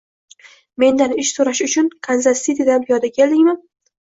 Mendan ish so`rash uchun Kanzas-Sitidan piyoda keldingmi